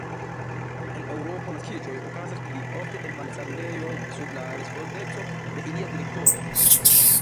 En Eŭropo naskiĝoj okazas pli ofte en malsanulejoj sub la respondeco de ilia direktoro.